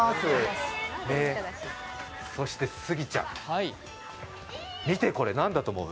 そして杉ちゃん、見て、何だと思う？